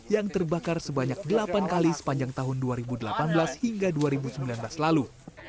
yang terbakar sebanyak delapan kali sepanjang tahun dua ribu delapan belas hingga dua ribu sembilan belas lalu